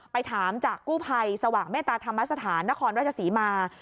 ถามจากกู้ภัยสว่างเมตตาธรรมสถานนครราชศรีมา